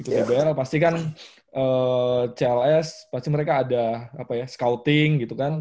cukup bayar pasti kan cls pasti mereka ada scouting gitu kan